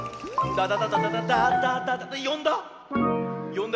よんだ？